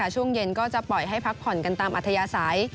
ช่วงเย็นก็จะปล่อยให้พักผ่อนกันตามอัธยาศัย